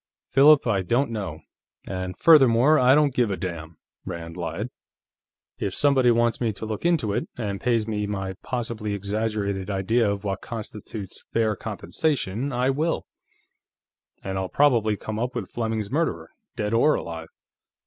"Philip, I don't know. And furthermore, I don't give a damn," Rand lied. "If somebody wants me to look into it, and pays me my possibly exaggerated idea of what constitutes fair compensation, I will. And I'll probably come up with Fleming's murderer, dead or alive.